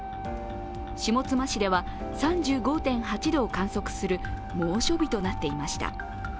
下妻市では３５．８度を観測する猛暑日となっていました。